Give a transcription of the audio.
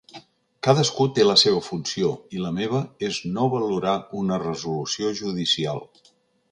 Cadascú té la seva funció i la meva és no valorar una resolució judicial.